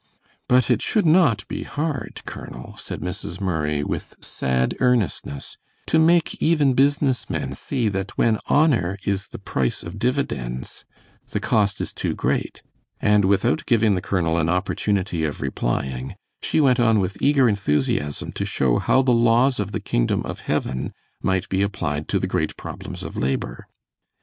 "But it should not be hard, Colonel," said Mrs. Murray, with sad earnestness, "to make even business men see that when honor is the price of dividends the cost is too great," and without giving the colonel an opportunity of replying, she went on with eager enthusiasm to show how the laws of the kingdom of heaven might be applied to the great problems of labor.